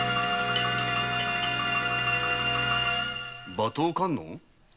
馬頭観音？